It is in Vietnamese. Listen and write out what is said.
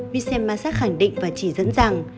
vincent massat khẳng định và chỉ dẫn